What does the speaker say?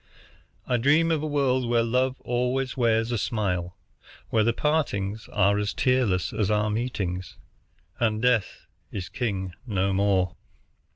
I dream of a world where love always wears a smile, where the partings are as tearless as our meetings, and death is king no more.